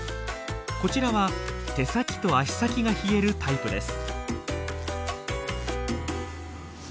こちらは手先と足先が冷えるタイプです。